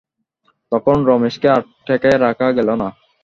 তখন রমেশকে আর ঠেকাইয়া রাখা গেল না।